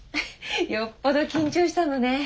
よっぽど緊張したのね。